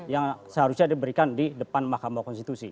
yang seharusnya diberikan di depan mahkamah konstitusi